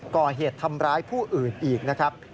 ก่อเหตุทำร้ายผู้อื่นอีกนะครับ